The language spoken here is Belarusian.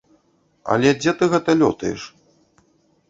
Але дзе ты гэта лётаеш?